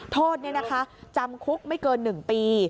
โทษจำคุกไม่เกิน๑ปี